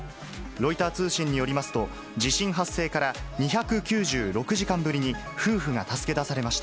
ロイター通信によりますと、地震発生から２９６時間ぶりに夫婦が助け出されました。